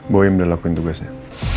boyin udah lakuin tugasnya